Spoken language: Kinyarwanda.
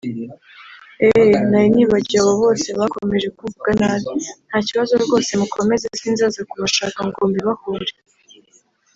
Eeeh nari nibagiwe abo bose bakomeje kumvuga nabi nta kibazo rwose mukomeze sinzaza kubashaka ngo mbibahore